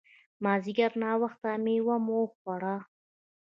مازیګر ناوخته مېوه مو وخوړه.